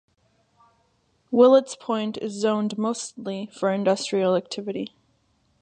Willets Point is zoned mostly for industrial activity.